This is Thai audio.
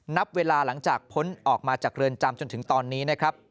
นับเวลาหลังจากพ้นออกมาจากเรือนจำจนถึงตอนนี้นะครับ